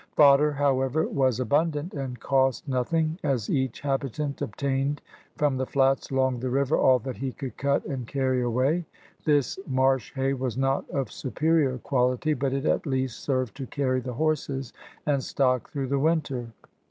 Fodder, however, was abundant and cost nothing, as each habitant obtained from the flats along the river all that he could cut and carry away. This marsh hay was not of superior quality, but it at least served to carry the horses and stock through the winter.